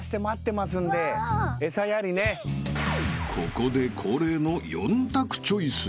［ここで恒例の４択チョイス］